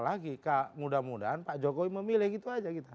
jadi sudah mudah mudahan pak jokowi memilih gitu saja kita